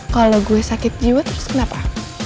kalau gue sakit jiwa terus kenapa